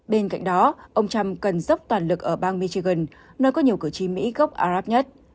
bên cạnh đó ông trump cần dốc toàn lực ở bang michigan nơi có nhiều cử tri mỹ gốc arab nhất